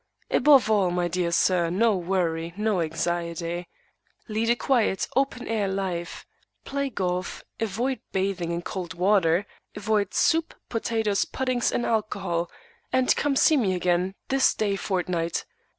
Above all, my dear Sir, no worry; no anxiety. Lead a quiet, open air life; play golf; avoid bathing in cold water; avoid soup, potatoes, puddings and alcohol; and come and see me again this day fortnight.